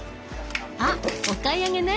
あっお買い上げね。